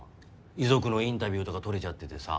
遺族のインタビューとか撮れちゃっててさ。